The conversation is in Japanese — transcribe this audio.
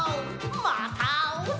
またあおうぜ！